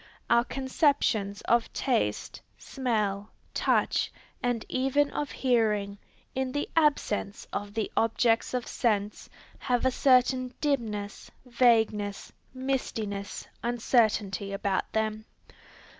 Our conceptions of taste, smell, touch, and even of hearing, in the absence of the objects of sense, have a certain dimness, vagueness, mistiness, uncertainty about them.